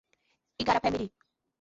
Igarapé-Miri